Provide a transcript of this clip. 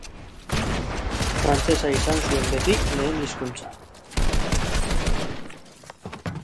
Frantsesa izan zuen beti lehen hizkuntza.